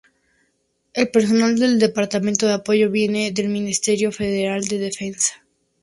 El personal del departamento de apoyo viene del Ministerio federal de defensa.